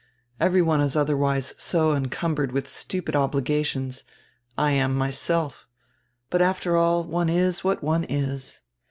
Every one is odierwise so encumbered widi stupid obligations — I am myself. But, after all, one is what one is."